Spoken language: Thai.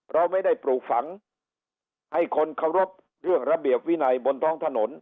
เราไม่ได้ปลูกฝังให้คนเคารพเรื่องระเบียบวินัยบนท้องถนน